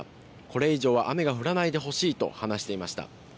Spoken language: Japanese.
これ以上は雨が降らないでほしいと話していました。